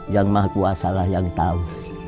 yang mahu kuasalah yang tahu